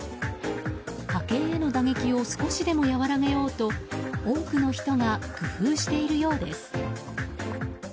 家計への打撃を少しでも和らげようと多くの人が工夫しているようです。